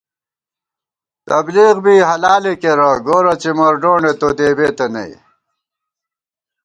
تبلیغ بی حلالے کېرہ گورہ څِمر ڈونڈے تو دېبېتہ نئ